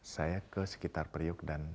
saya ke sekitar periuk dan